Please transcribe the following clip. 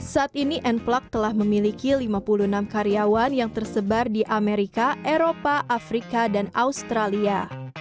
saat ini n plug telah memiliki lima puluh enam karyawan yang tersebar di amerika eropa afrika dan australia